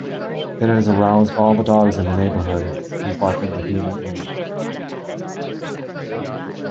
It has aroused all the dogs in the neighbourhood, who bark vehemently.